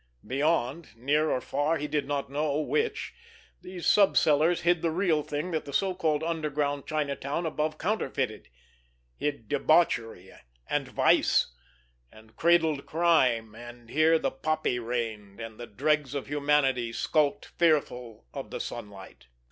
Beyond, near or far, he did not know which, these sub cellars hid the real thing that the so called underground Chinatown above counterfeited, hid debauchery and vice, and cradled crime, and here the poppy reigned, and the dregs of humanity skulked fearful of the sunlight.